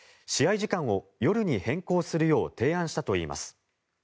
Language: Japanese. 時間を夜に変更するよう提案したといいます。